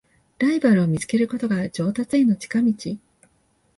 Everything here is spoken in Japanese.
ライバルを見つけることが上達への近道